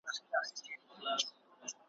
تا له ازله وهلی لنګ وو `